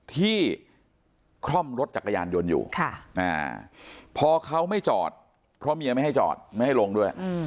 ที่คล่อมรถจักรยานยนต์อยู่พอเขาไม่จอดเพราะเมียไม่ให้จอดไม่ให้ลงด้วย